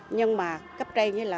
nhưng mà cấp tre là không có lợi ích đâu